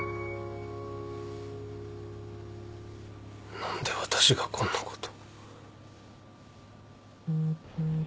何で私がこんなこと。